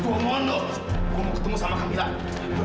gua mau ketemu sama kamilah